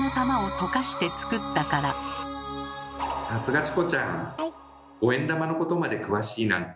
さすがチコちゃん！